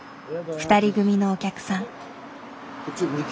２人組のお客さん。